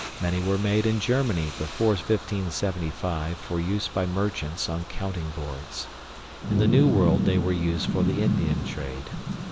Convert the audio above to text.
MANY WERE MADE IN GERMANY BEFORE 1575 FOR USE BY MERCHANTS ON COUNTING BOARDS. IN THE NEW WORLD THEY WERE USED FOR THE INDIAN TRADE.